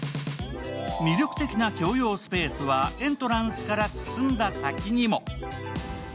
魅力的な共用スペースは、エントランスから進んだ先にも。